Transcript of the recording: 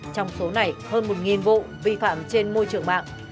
trong số này hơn một vụ vi phạm trên môi trường mạng